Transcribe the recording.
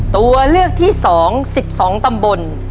ตัวเลือกที่๒๑๒ตำบล